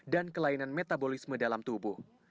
dan kelainan metabolisme dalam tubuh